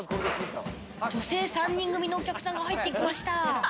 女性３人組のお客さんが入ってきました。